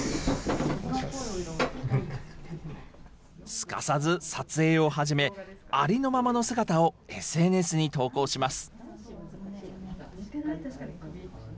すかさず撮影を始め、ありのままの姿をＳＮＳに投稿します。